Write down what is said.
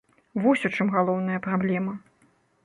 Вось у чым галоўная праблема.